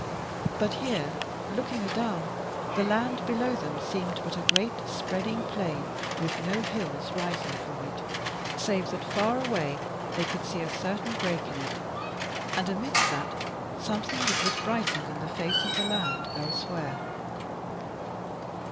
But here, looking adown, the land below them seemed but a great spreading plain with no hills rising from it, save that far away they could see a certain break in it, and amidst that, something that was brighter than the face of the land elsewhere.